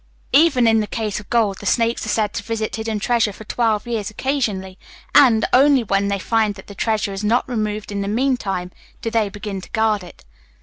Even in the case of gold, the snakes are said to visit hidden treasure for twelve years occasionally, and, only when they find that the treasure is not removed in the meantime, do they begin to guard it.